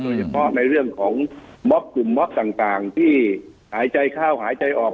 โดยเฉพาะในเรื่องของม็อบกลุ่มมอบต่างที่หายใจเข้าหายใจออก